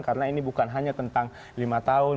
karena ini bukan hanya tentang lima tahun